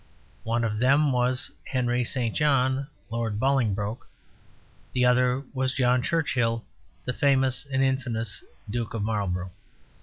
One of them was Henry St. John, Lord Bolingbroke; the other was John Churchill, the famous and infamous Duke of Marlborough.